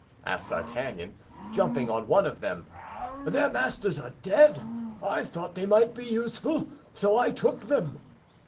asked D'Artagnan, jumping on one of them. "Their masters are dead! I thought they might be useful, so I took them."